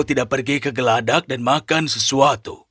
tidak pergi ke geladak dan makan sesuatu